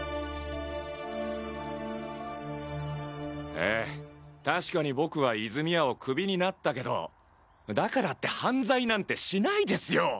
ええ確かに僕は泉谷をクビになったけどだからって犯罪なんてしないですよ。